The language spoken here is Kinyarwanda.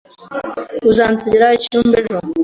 Uzansigira icyumba ejo?